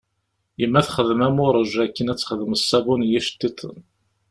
Yemma tsexdam amuṛej akken ad texdem ṣṣabun n yiceṭṭiḍen.